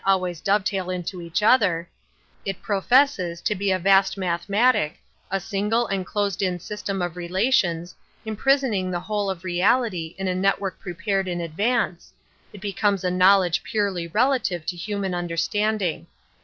ways dovetail into each other, — it pro fesses to be a vast mathematic, a single and closed in system of relations, imprison ing the whole of reality in a network pre pared in advance, ^it becomes a knowledge purely relative to human understanding.